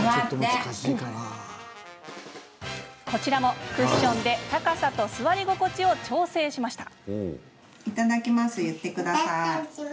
こちらも、クッションで高さと座り心地を調整しました。